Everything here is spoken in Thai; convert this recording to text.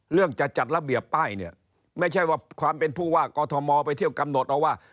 จะจัดระเบียบป้ายเนี่ยไม่ใช่ว่าความเป็นผู้ว่ากอทมไปเที่ยวกำหนดเอาว่า